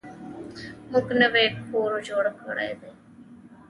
موږ نوی کور جوړ کړی دی.